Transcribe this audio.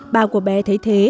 bà của bé thấy thế